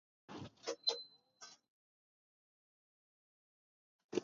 د افغانستان هر کلی د خپلې یوې ځانګړې کیسې او تاریخي شاليد درلودونکی دی.